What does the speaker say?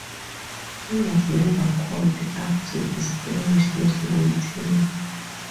He was never called up to the Spanish national team.